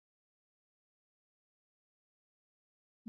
د اوبو سرچینې د افغانانو لپاره په معنوي لحاظ ارزښت لري.